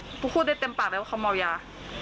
พูดได้เต็มปากเลยว่าเขาเมายา